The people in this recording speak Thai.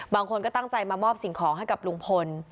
บางคนก็ตั้งใจมามอบสิ่งของให้กับลุงพล